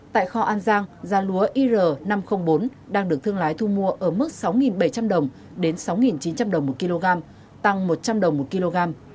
tại kho an giang giá lúa ir năm trăm linh bốn đang được thương lái thu mua ở mức sáu bảy trăm linh đồng đến sáu chín trăm linh đồng một kg tăng một trăm linh đồng một kg